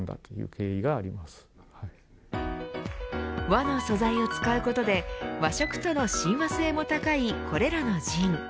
和の素材を使うことで和食との親和性も高いこれらのジン。